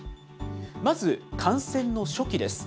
まず感染の初期です。